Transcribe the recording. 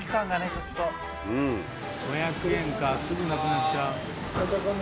５００円かすぐなくなっちゃう。